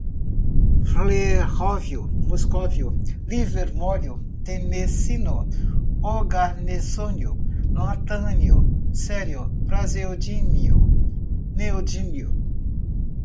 fleróvio, moscóvio, livermório, tenessino, oganessônio, lantânio, cério, praseodímio, neodímio